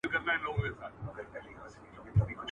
غوړ پر غوړ توئېږي، نه پر تورو خاورو.